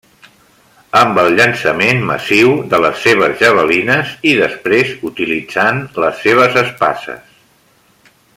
Amb el llançament massiu de les seves javelines, i després utilitzant les seves espases.